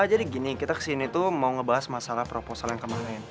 jadi gini kita kesini tuh mau ngebahas masalah proposal yang kemarin